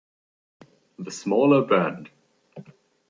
The smaller band.